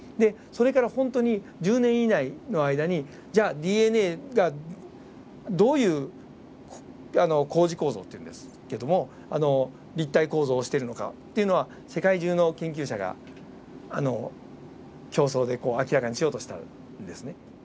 それからほんとに１０年以内の間にじゃあＤＮＡがどういう高次構造っていうんですけども立体構造をしているのかっていうのは世界中の研究者が競争で明らかにしようとしたんですね。